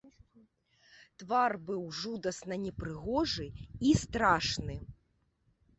Твар быў жудасна непрыгожы і страшны.